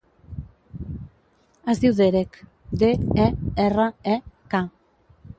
Es diu Derek: de, e, erra, e, ca.